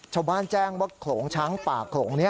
ชาวบ้านแจ้งว่าโขลงช้างป่าโขลงนี้